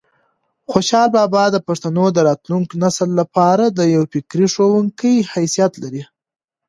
خوشحال بابا د پښتنو د راتلونکي نسل لپاره د یو فکري ښوونکي حیثیت لري.